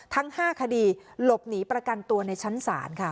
ทั้ง๕คดีหลบหนีประกันตัวในชั้นศาลค่ะ